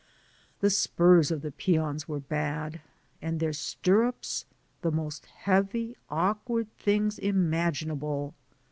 The spurs of the peons were bad, and thrir stirrups the most heavy, awkward things imaginable.